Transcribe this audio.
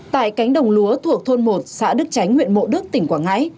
tại cánh đồng lúa thuộc thôn một xã đức tránh huyện mộ đức tỉnh quảng ngãi